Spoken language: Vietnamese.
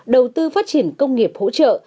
đầu tư phát triển công nghiệp hỗ trợ